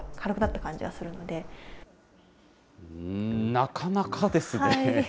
なかなかですね。